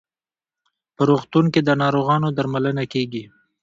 په روغتون کې د ناروغانو درملنه کیږي.